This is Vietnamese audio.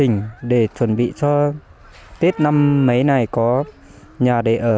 để sắp hoàn chỉnh để chuẩn bị cho tết năm mấy này có nhà để ở